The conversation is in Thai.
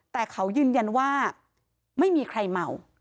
แต่เขายืนยันว่าไม่มีใครเมา